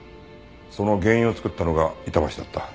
その原因を作ったのが板橋だった。